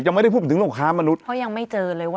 ยังไม่ได้พูดอะไรถึงว่าการค้านมานุท